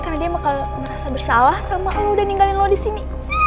karena dia bakal merasa bersalah sama lo udah ninggalin lo disini